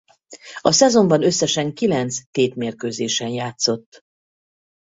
A szezonban összesen kilenc tétmérkőzésen játszott.